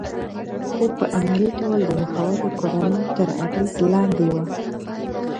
خو په عملي ډول د مخورو کورنیو تر اغېز لاندې وه